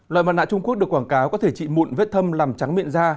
loại mặt nạ trung quốc được quảng cáo có thể trị mụn vết thâm làm trắng miệng da